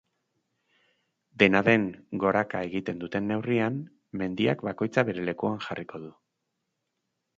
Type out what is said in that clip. Dena den goraka egiten duten neurrian, mendiak bakoitza bere lekuan jarriko du.